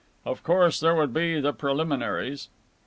"Of course, there would be the preliminaries."